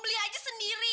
beli aja sendiri